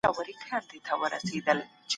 تکړه مشران خپل ملت ته خدمت کوي.